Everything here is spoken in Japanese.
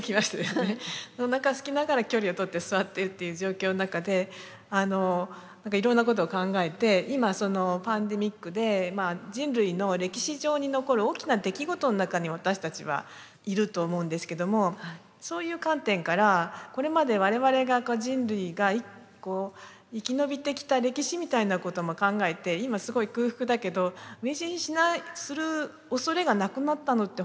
おなかすきながら距離をとって座っているっていう状況の中で何かいろんなことを考えて今パンデミックで人類の歴史上に残る大きな出来事の中に私たちはいると思うんですけどもそういう観点からこれまで我々が人類がこう生き延びてきた歴史みたいなことも考えて今すごい空腹だけど飢え死にしないするおそれがなくなったのって